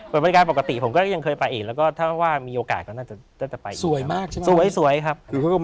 เปิดบริการปกติผมก็ยังเคยไปอีกแล้วก็ถ้าว่ามีโอกาสก็น่าจะไปอีกแล้ว